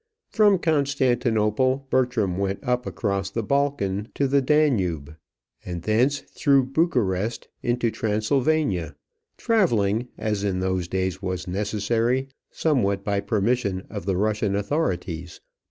From Constantinople Bertram went up across the Balkan to the Danube, and thence through Bucharest into Transylvania, travelling, as in those days was necessary, somewhat by permission of the Russian authorities.